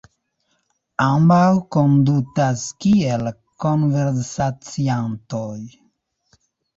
Ambaŭ kondutas kiel konversaciantoj.